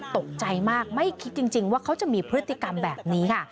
ตกใจมากไม่คิดจริงว่าเขาจะมีพฤติกรรมแบบนี้ค่ะ